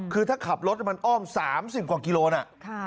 คือถ้าขับรถมันอ้อม๓๐กว่ากิโลน่ะ